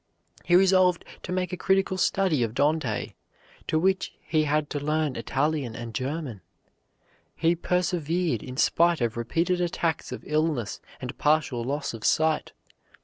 He resolved to make a critical study of Dante, to do which he had to learn Italian and German. He persevered in spite of repeated attacks of illness and partial loss of sight.